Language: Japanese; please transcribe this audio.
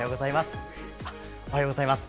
おはようございます。